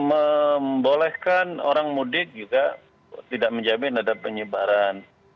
dan membolehkan orang mudik juga tidak menjamin ada penyebaran